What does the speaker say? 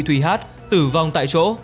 thùy hát tử vong tại chỗ